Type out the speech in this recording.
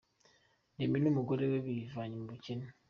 Remy n’umugore we bivanye mu bukene.